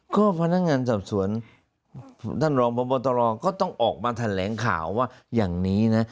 ก็พนักงานสอบสวนท่านรองพบตรก็ต้องออกมาแถลงข่าวว่าอย่างนี้นะ